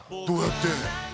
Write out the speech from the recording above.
どうやって？